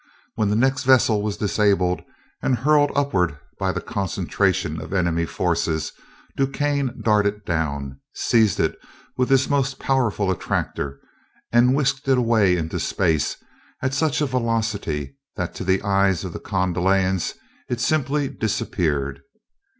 When the next vessel was disabled and hurled upward by the concentration of enemy forces, DuQuesne darted down, seized it with his most powerful attractor, and whisked it away into space at such a velocity that to the eyes of the Kordalians it simply disappeared.